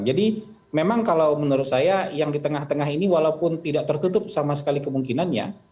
memang kalau menurut saya yang di tengah tengah ini walaupun tidak tertutup sama sekali kemungkinannya